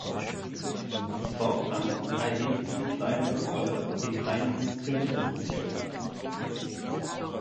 Fortan erhielt sie kleinere Rolle in einigen Filmproduktion.